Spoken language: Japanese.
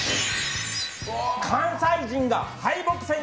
関西人が敗北宣言！